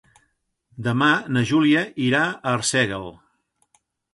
Demà na Júlia irà a Arsèguel.